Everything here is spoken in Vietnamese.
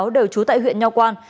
đều trú tại huyện nho quang